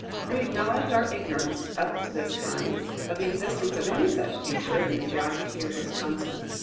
We acknowledged our ignorance, up to this time, of the existence of any such feature in the geography of Wisconsin.